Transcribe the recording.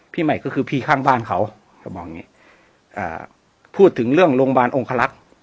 ใหม่ก็คือพี่ข้างบ้านเขาก็บอกอย่างงี้อ่าพูดถึงเรื่องโรงพยาบาลองคลักษณ์